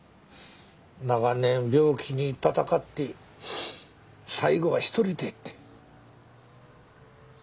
長年病気と闘って最後は一人でって。